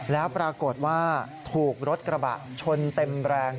แล้วปรากฏว่าถูกรถกระบะชนเต็มแรง